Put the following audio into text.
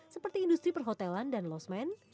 seperti industri perhotelan dan losmen